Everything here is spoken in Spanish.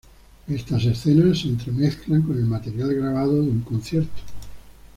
Estas escenas se entremezclan con el material grabado de un concierto.